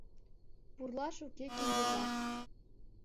Пурлаш уке киндыжат.